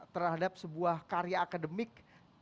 terhadap sebuah karya akademik